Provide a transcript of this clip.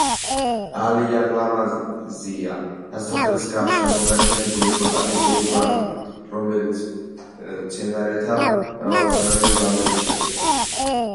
ალიან ლამაზია სასახლის გარშემო გაშენებული ბოტანიკური ბაღი, რომელიც მცენარეთა მრავალფეროვნებით გამოირჩევა და შესანიშნავია სასეირნოდ